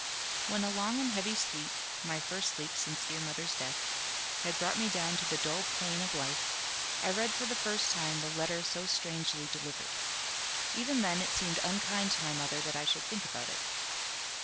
When a long and heavy sleep (my first sleep since dear mother's death) had brought me down to the dull plain of life, I read for the first time the letter so strangely delivered. Even then it seemed unkind to my mother that I should think about it.